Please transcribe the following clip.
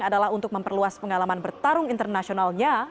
adalah untuk memperluas pengalaman bertarung internasionalnya